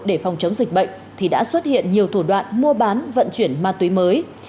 để phòng chống dịch bệnh thì đã xuất hiện nhiều thủ đoạn mua bán vận chuyển ma túy mới